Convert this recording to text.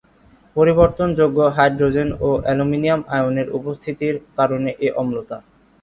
পরিবর্তনযোগ্য hydrogen ও aluminium আয়নের উপস্থিতির কারণে এ অম্লতা।